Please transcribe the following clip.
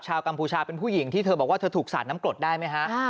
กัมพูชาเป็นผู้หญิงที่เธอบอกว่าเธอถูกสาดน้ำกรดได้ไหมฮะ